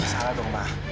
masalah dong ma